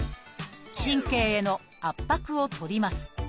神経への圧迫を取ります。